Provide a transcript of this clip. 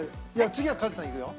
次はカズさんいくよ。